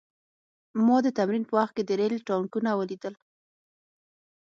ما د تمرین په وخت کې د ریل ټانکونه ولیدل